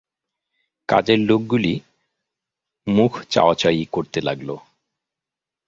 কাজের লোকগুলি মুখ চাওয়াচাওয়ি করতে লাগল।